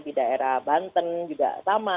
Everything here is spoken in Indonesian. di daerah banten juga sama